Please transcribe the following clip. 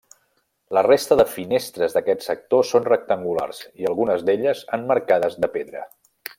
La resta de finestres d'aquest sector són rectangulars i algunes d'elles, emmarcades de pedra.